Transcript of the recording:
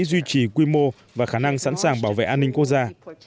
duy trì quy mô và khả năng sẵn sàng bảo vệ an ninh quốc gia